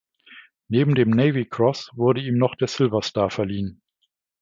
Neben dem Navy Cross wurde ihm noch der Silver Star verliehen.